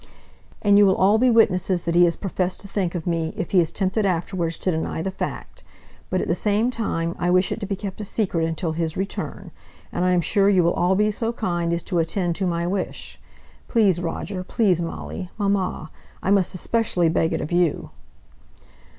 "And you will all be witnesses that he has professed to think of me, if he is tempted afterwards to deny the fact. But at the same time I wish it to be kept a secret until his return and I am sure you will all be so kind as to attend to my wish. Please, Roger! Please, Molly! Mamma, I must especially beg it of you!"